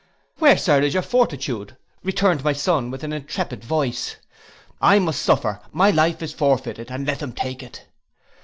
'Where, Sir, is your fortitude,' returned my son with an intrepid voice. 'I must suffer, my life is forfeited, and let them take it.